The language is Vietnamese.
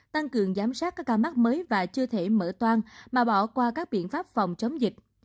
tăng cường giám sát các ca mắc mới và chưa thể mở toan mà bỏ qua các biện pháp phòng chống dịch